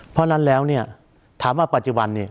เพราะฉะนั้นแล้วเนี่ยถามว่าปัจจุบันเนี่ย